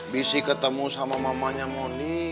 bisik ketemu sama mamahnya mondi